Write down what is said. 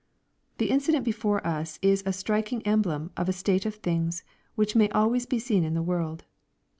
The incideot before us is a striking emblem of a state of things which may always be seen in the world.